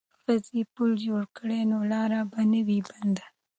که ښځې پل جوړ کړي نو لاره به نه وي بنده.